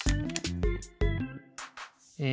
え